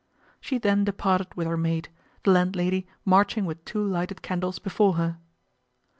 She then departed with her maid, the landlady marching with two lighted candles before her.